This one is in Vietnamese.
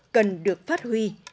cần được phát huy